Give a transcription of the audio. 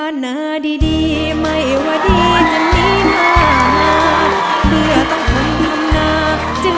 สวัสดีครับเจ๊เอม